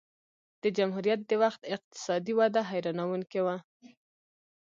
د جمهوریت د وخت اقتصادي وده حیرانوونکې وه